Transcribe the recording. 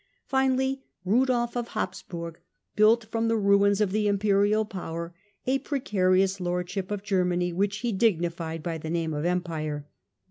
Finally, Rudolf of Hapsburg built from the ruins of the Imperial power a precarious lordship of Germany which he dignified by the name of Empire.